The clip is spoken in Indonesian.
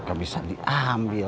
nggak bisa diambil